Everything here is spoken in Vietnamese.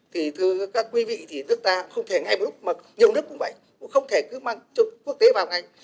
thì thưa các quý vị thì nước ta không thể ngay một lúc mà nhiều nước cũng vậy cũng không thể cứ mang cho quốc tế vào ngành